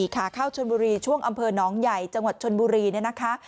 ขาเข้าชนบุรีช่วงอำเภอน้องใหญ่จังหวัดชนบุรีเนี่ยนะคะ